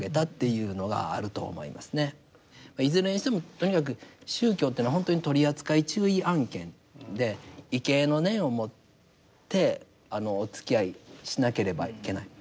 いずれにしてもとにかく宗教というのは本当に取扱注意案件で畏敬の念を持ってあのおつきあいしなければいけない。